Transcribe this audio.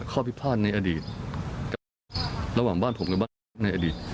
ข้อพิพาทในอดีตกับระหว่างบ้านผมกับบ้านพักในอดีต